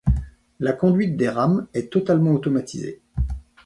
La conduite des rames est totalement automatisée.